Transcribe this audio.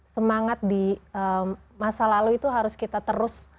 semangat di masa lalu itu harus kita terus